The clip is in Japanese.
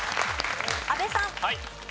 阿部さん。